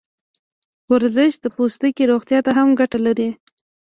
ورزش د پوستکي روغتیا ته هم ګټه لري.